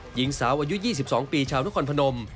หญิงสาวอายุ๒๒ปีชาวนครพนม